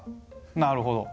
なるほど。